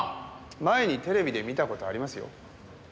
前にテレビで見た事ありますよ。